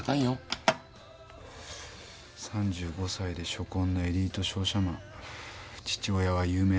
３５歳で初婚のエリート商社マン父親は有名な画家。